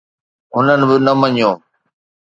هنن به نه مڃيو.